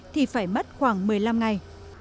thì phải mất khoảng một mươi năm ngày